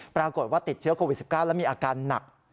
ปรากฏว่าติดเชื้อโควิด๑๙แล้วมีอาการหนัก